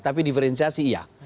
tapi difrensiasi iya